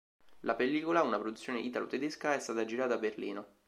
La pellicola, una produzione italo-tedesca, è stata girata a Berlino.